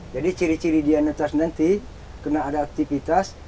jadi ciri ciri dia netas nanti kena ada aktivitas